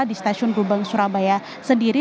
di stasiun gubeng surabaya sendiri